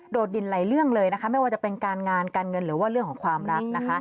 ดินหลายเรื่องเลยนะคะไม่ว่าจะเป็นการงานการเงินหรือว่าเรื่องของความรักนะคะ